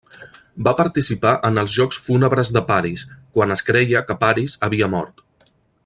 Va participar en els jocs fúnebres de Paris, quan es creia que Paris havia mort.